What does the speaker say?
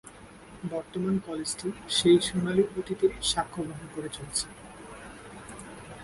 বর্তমান কলেজটি সেই সোনালী অতীতের-ই সাক্ষ্য বহন করে চলছে।